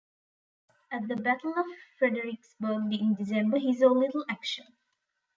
At the Battle of Fredericksburg in December, he saw little action.